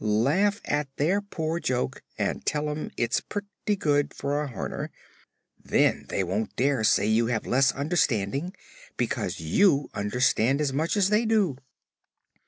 "Laugh at their poor joke and tell 'em it's pretty good for a Horner. Then they won't dare say you have less understanding, because you understand as much as they do."